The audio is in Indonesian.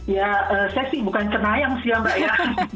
ya saya sih bukan kenayang sih mbak elang